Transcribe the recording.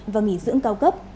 và nghỉ dưỡng cao cấp